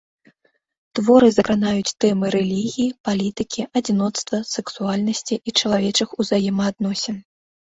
Творы закранаюць тэмы рэлігіі, палітыкі, адзіноцтва, сэксуальнасці і чалавечых узаемаадносін.